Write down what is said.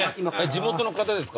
地元の方ですか？